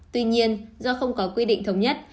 tuy nhiên do không có quy định thống nhất